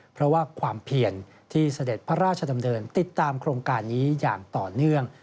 เพราะว่าความเพียรที่เสด็จพระราชดำเนินติดตามโครงการนี้อย่างต่อเนื่อง